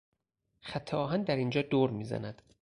خط آهن در اینجا دور میزند.